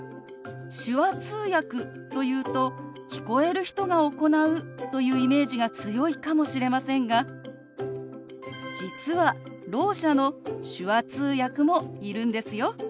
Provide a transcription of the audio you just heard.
手話通訳というと聞こえる人が行うというイメージが強いかもしれませんが実はろう者の手話通訳もいるんですよ。